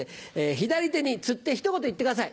左手につってひと言言ってください。